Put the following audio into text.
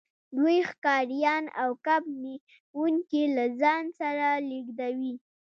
دوی ښکاریان او کب نیونکي له ځان سره لیږدوي